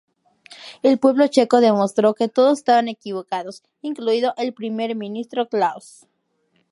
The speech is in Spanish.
El pueblo checo demostró que todos estaban equivocados incluido el primer ministro Klaus.